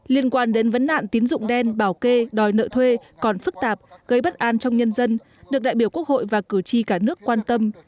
liên quan đến vấn nạn tín dụng đen bảo kê đòi nợ thuê còn phức tạp gây bất an trong nhân dân được đại biểu quốc hội và cử tri cả nước quan tâm